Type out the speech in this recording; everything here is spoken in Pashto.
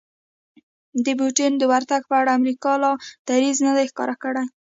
د پوتین د ورتګ په اړه امریکا لا دریځ نه دی ښکاره کړی